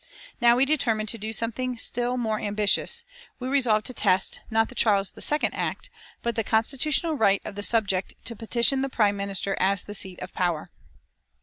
Now we determined to do something still more ambitious; we resolved to test, not the Charles II Act, but the constitutional right of the subject to petition the Prime Minister as the seat of power.